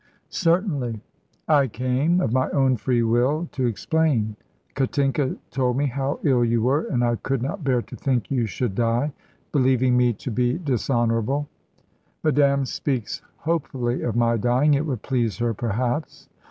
"Certainly. I came, of my own free will, to explain. Katinka told me how ill you were, and I could not bear to think you should die believing me to be dishonourable." "Madame speaks hopefully of my dying. It would please her, perhaps?"